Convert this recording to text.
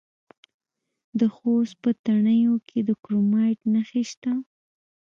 د خوست په تڼیو کې د کرومایټ نښې شته.